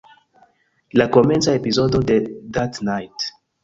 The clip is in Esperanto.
La komenca epizodo de "That Night!